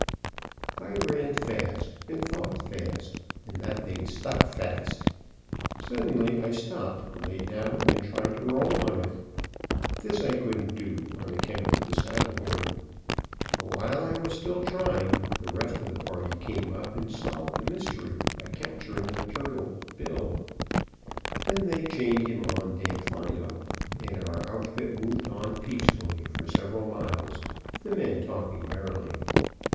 I ran fast and thought fast, and that thing stuck fast. Suddenly, I stopped, laid down, and tried to roll on it. This I couldn't do, on account of the saddle horn. But while I was still trying, the rest of the party came up, and solved the mystery by capturing the turtle, Bill; then they chained him on Damfino, and our outfit moved on peacefully for several miles, the men talking merrily.